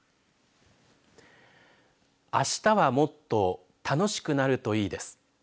あしたはもっと楽しくなるといいです。